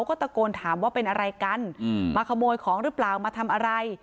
ก็ตะโกนถามว่าเป็นอะไรกันมาขโมยของหรือเปล่ามาทำอะไร